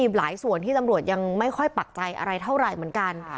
หลายส่วนที่ตำรวจยังไม่ค่อยปักใจอะไรเท่าไหร่เหมือนกัน